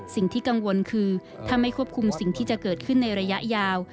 สิ่งที่กังวลคือถ้าไม่ควบคุมสิ่งที่จะเกิดขึ้นในระยะยาว